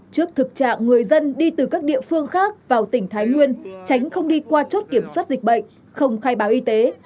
trước thực trạng người dân đi từ các địa phương khác vào tỉnh thái nguyên tránh không đi qua chốt kiểm soát dịch bệnh không khai báo y tế